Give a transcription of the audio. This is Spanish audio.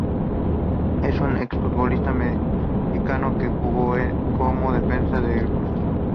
Es un exfutbolista mexicano que jugó como Defensa en el Cruz Azul.